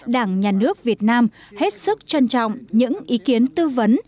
đảng nhà nước việt nam hết sức trân trọng những ý kiến tư vấn